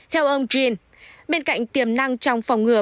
theo ông gene bên cạnh tiềm năng trong phòng